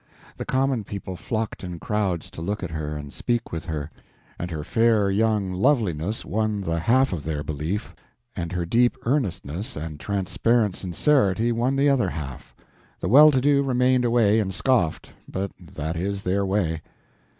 The common people flocked in crowds to look at her and speak with her, and her fair young loveliness won the half of their belief, and her deep earnestness and transparent sincerity won the other half. The well to do remained away and scoffed, but that is their way.